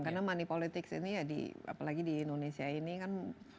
karena money politics ini ya di indonesia ini kan